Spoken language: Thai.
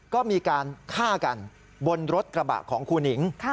ก็มีการฆ่ากันบนรถกระบะของครูหนิง